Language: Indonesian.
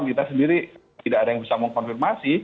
kita sendiri tidak ada yang bisa mengkonfirmasi